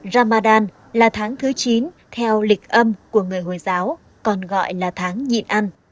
ramadan là tháng thứ chín theo lịch âm của người hồi giáo còn gọi là tháng nhịn ăn